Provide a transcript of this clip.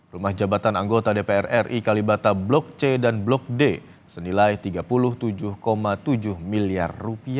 rumah jabatan anggota dpr ri kalibata blok c dan blok d senilai rp tiga puluh tujuh tujuh miliar